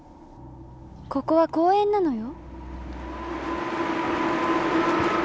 ここは公園なのよ。